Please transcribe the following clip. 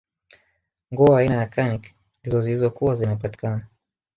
nguo aina ya kaniki ndizo zilizokuwa zinapatikana